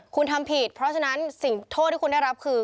คุณทำผิดเพราะฉะนั้นสิ่งโทษที่คุณได้รับคือ